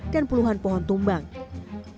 dan puluhan pohon tumbang yang terjadi di padukuhan